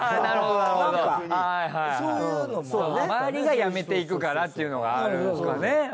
はいはい周りがやめていくからっていうのがあるんすかね。